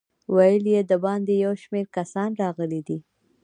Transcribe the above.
ویل یې د باندې یو شمېر کسان راغلي دي.